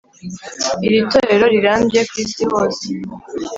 Iri torero rirambye kw Isi hose